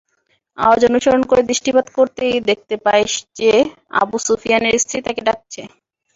আওয়াজ অনুসরণ করে দৃষ্টিপাত করতেই দেখতে পায় যে, আবু সুফিয়ানের স্ত্রী তাকে ডাকছে।